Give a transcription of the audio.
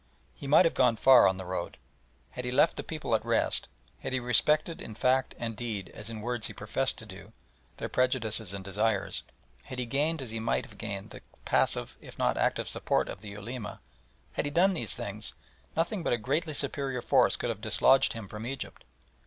He might have gone far on the road. Had he left the people at rest, had he respected in fact and deed as in words he professed to do, their prejudices and desires, had he gained as he might have gained the passive if not active support of the Ulema had he done these things, nothing but a greatly superior force could have dislodged him from Egypt.